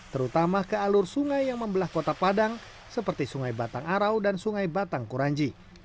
terutama ke alur sungai yang membelah kota padang seperti sungai batang arau dan sungai batang kuranji